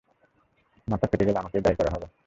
মাথা ফেটে গেলে, আমাকেই দায়ী করা হবে।